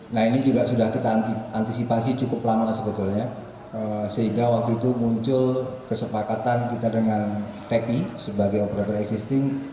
nah ini juga sudah kita antisipasi cukup lama sebetulnya sehingga waktu itu muncul kesepakatan kita dengan tepi sebagai operator existing